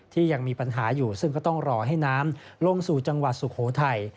ยังมีปัญหาอยู่ซึ่งก็ต้องรอให้น้ำลงสู่จังหวัดสุโขทัย